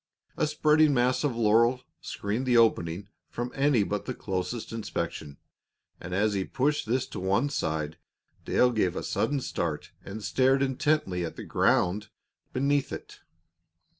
A spreading mass of laurel screened the opening from any but the closest inspection, and as he pushed this to one side Dale gave a sudden start and stared intently at the ground beneath it.